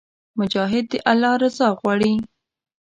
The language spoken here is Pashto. مجاهد د الله رضا غواړي.